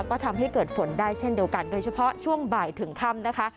ก็ทำให้เกิดฝนได้เช่นเดียวกันโดยเฉพาะช่วงบ่ายถึงค่ำนะคะ